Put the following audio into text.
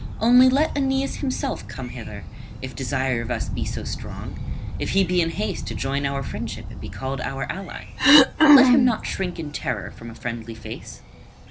Only let Aeneas himself come hither, if desire of us be so strong, if he be in haste to join our friendship and be called our ally. Let him not shrink in terror from a friendly face.